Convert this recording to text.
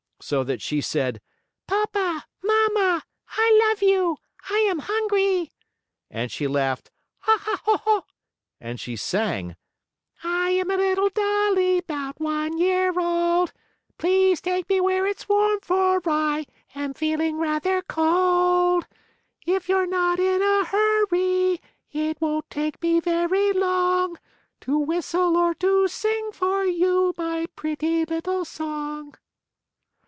So that she said: "Papa! Mama! I love you! I am hungry!" And she laughed: "Ha! Ha! Ho! Ho!" and she sang: "I am a little dollie, 'Bout one year old. Please take me where it's warm, for I Am feeling rather cold. If you're not in a hurry, It won't take me very long, To whistle or to sing for you My pretty little song."